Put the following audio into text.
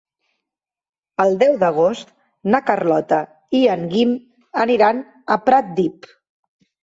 El deu d'agost na Carlota i en Guim aniran a Pratdip.